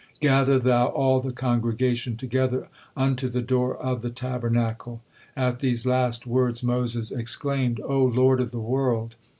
Gather thou all the congregation together unto the door of the Tabernacle." At these last words Moses exclaimed: "O Lord of the world!